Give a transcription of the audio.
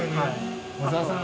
小澤さん。